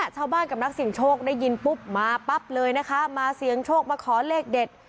ชาวบ้านกับนักเสียงโชคได้ยินปุ๊บมาปั๊บเลยนะคะมาเสียงโชคมาขอเลขเด็ด